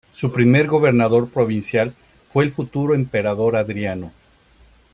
Su primer gobernador provincial fue el futuro emperador Adriano.